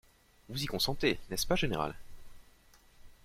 Vous y consentez, n'est-ce pas, général?